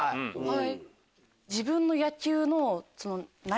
はい。